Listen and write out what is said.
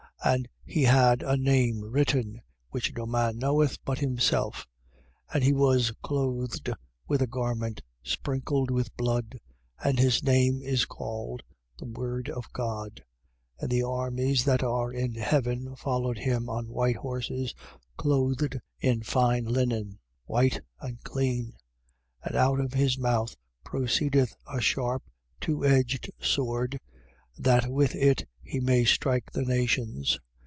And he had a name written, which no man knoweth but himself. 19:13. And he was clothed with a garment sprinkled with blood. And his name is called: THE WORD OF GOD. 19:14. And the armies that are in heaven followed him on white horses, clothed in fine linen, white and clean. 19:15. And out of his mouth proceedeth a sharp two edged sword, that with it he may strike the nations.